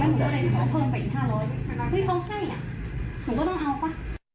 เฮ้ยเขาให้อ่ะหนูก็ต้องเอาป่ะ